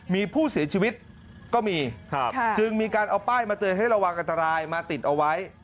มีผู้เสียชีวิตก็มีจึงมีการเอาป้ายมาเตือนให้ระวังอันตรายมาติดเอาไว้